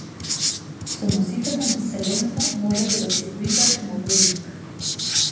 Со музиката на вселената можете да си поиграте на овој линк.